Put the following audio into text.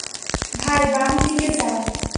ভাই, বাম দিকে যাও।